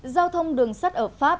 giao thông đường sắt ở pháp